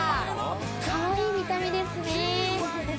かわいい見た目ですね。